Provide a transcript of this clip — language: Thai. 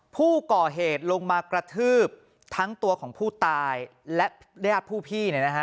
ผู้ก่อเหตุลงมากระทืบทั้งตัวของผู้ตายและญาติผู้พี่